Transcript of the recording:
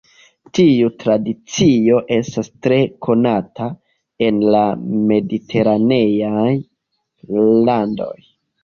Tiu tradicio estas tre konata en la mediteraneaj landoj.